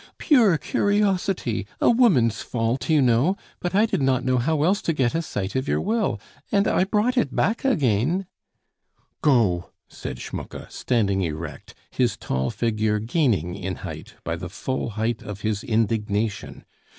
"Pure curiosity; a woman's fault, you know. But I did not know how else to get a sight of your will, and I brought it back again " "Go!" said Schmucke, standing erect, his tall figure gaining in height by the full height of his indignation.